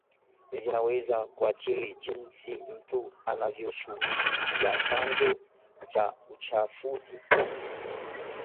zinaweza kuathiri jinsi mtu anavyoshughulikia chanzo cha uchafuzi